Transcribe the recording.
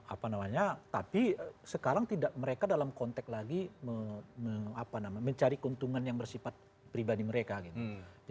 apa namanya tapi sekarang tidak mereka dalam konteks lagi mencari keuntungan yang bersifat pribadi mereka gitu